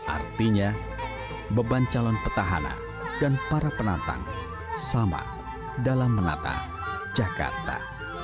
artinya beban calon petahana dan para penantang sama dalam menata jakarta